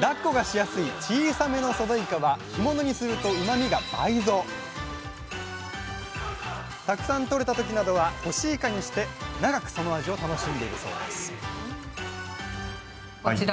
だっこがしやすい小さめのソデイカは干物にするとたくさん取れた時などは干しイカにして長くその味を楽しんでいるそうです